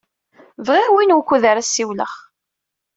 Bɣiɣ win wukud ara ssiwleɣ.